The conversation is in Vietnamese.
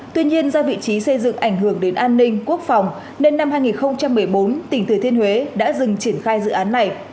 tuy nhiên do vị trí xây dựng ảnh hưởng đến an ninh quốc phòng nên năm hai nghìn một mươi bốn tỉnh thừa thiên huế đã dừng triển khai dự án này